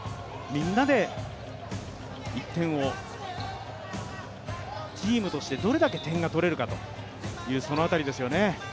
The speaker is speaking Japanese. みんなで１点を、チームとしてどれだけ点が取れるのかと、その辺りですよね。